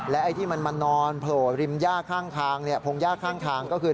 และไอ้ที่มันมานอนโผล่ลิมพงษ์ยากข้างก็คือ